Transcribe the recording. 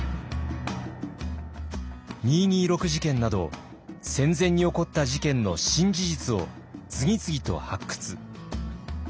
二・二六事件など戦前に起こった事件の新事実を次々と発掘。